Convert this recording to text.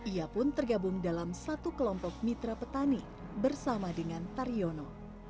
ia pun tergabung dalam satu kelompok mitra petani bersama dengan taryono